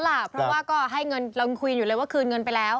เพราะว่าก็ให้เงินเรายังคุยอยู่เลยว่าคืนเงินไปแล้ว